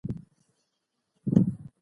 مننه ويل زړه سپکوي